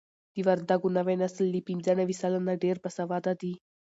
د وردګو نوی نسل له پنځه نوي سلنه ډېر باسواده دي.